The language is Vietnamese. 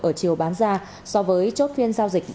ở chiều bán ra so với chốt phiên giao dịch